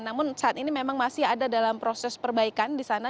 namun saat ini memang masih ada dalam proses perbaikan di sana